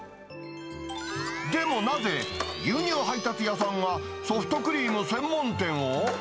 でもなぜ、牛乳配達屋さんがソフトクリーム専門店を？